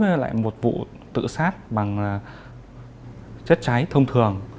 với lại một vụ tự sát bằng chất cháy thông thường